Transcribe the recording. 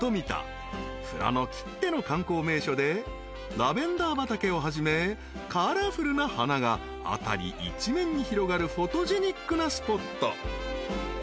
［富良野きっての観光名所でラベンダー畑をはじめカラフルな花が辺り一面に広がるフォトジェニックなスポット］